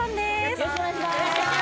よろしくお願いします